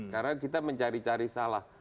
karena kita mencari cari salah